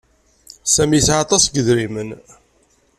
Sami yesɛa aṭas n yidrimen.